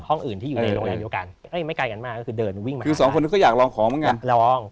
ห้องอื่นที่อยู่ในโรงแรมเดียวกัน